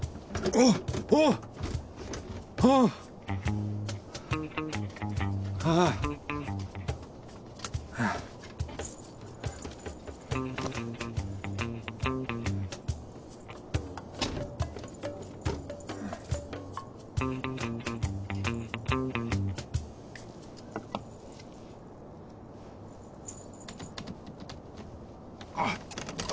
あっああっ。